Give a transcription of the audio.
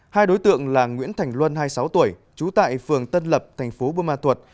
hai đối tượng là nguyễn thành luân hai mươi sáu tuổi chú tại phường tân lập tp buôn ma thuật